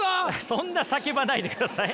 そんな叫ばないでください。